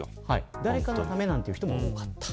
誰かのためなんていう人も多かった。